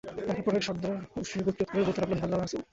একের পর এক সর্দার উষ্ট্রীর গতিরোধ করে বলতে লাগল, হে আল্লাহর রাসূল!